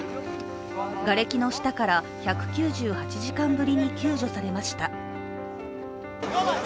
がれきの下から１９８時間ぶりに救助されました。